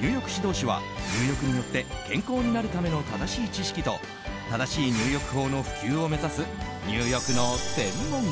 入浴指導士は入浴によって健康になるための正しい知識と正しい入浴法の普及を目指す入浴の専門家。